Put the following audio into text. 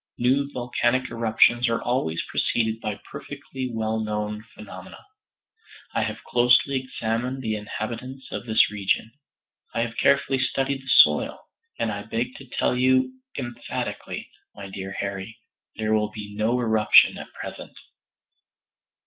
New volcanic eruptions are always preceded by perfectly well known phenomena. I have closely examined the inhabitants of this region; I have carefully studied the soil, and I beg to tell you emphatically, my dear Harry, there will be no eruption at present."